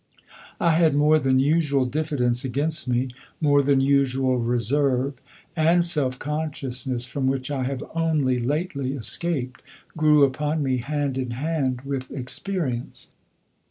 I had more than usual diffidence against me, more than usual reserve; and self consciousness, from which I have only lately escaped, grew upon me hand in hand with experience.